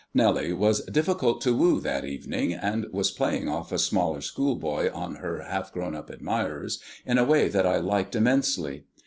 Nellie was difficult to woo that evening, and was playing off a smaller schoolboy on her half grown up admirer in a way that I liked immensely.